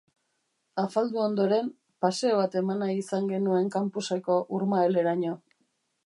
Afaldu ondoren, paseo bat eman nahi izan genuen campuseko urmaeleraino.